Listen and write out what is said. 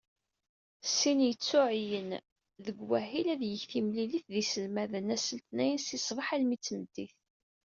Syin yettuɛeyyen deg wahil ad yeg timlilit d yiselmaden ass n letnayen si ssbeḥ almi d tmeddit.